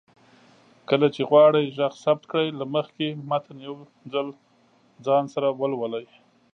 کله چې غواړئ غږ ثبت کړئ، له مخکې متن يو ځل ځان سره ولولئ